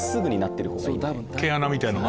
毛穴みたいなのが？